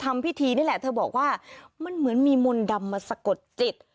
มันเหมือนมีมนตร์ดำมาสะกดจิต